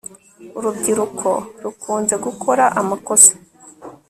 urubyiruko rukunze gukora amakosa